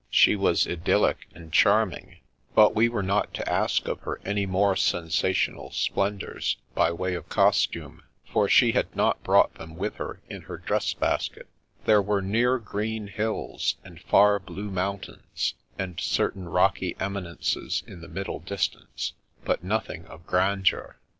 She was idyllic and charming, but we were not to ask of her any more sensational splen dours, by way of costume, for she had not brought them with her in her dress basket There were near green hills, and far blue mountains, and certain rocky eminences in the middle distance, but nothing of grandeur.